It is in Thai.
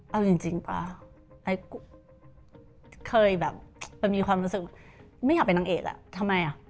เอาจริงป่ะไอ้เคยแบบมันมีความรู้สึกไม่อยากเป็นนางเอกอ่ะทำไมอ่ะ